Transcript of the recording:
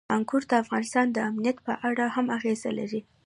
انګور د افغانستان د امنیت په اړه هم اغېز لري.